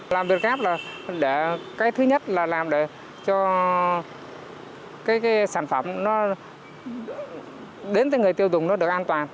làm việt gáp là cái thứ nhất là làm để cho cái sản phẩm nó đến tới người tiêu dùng nó được an toàn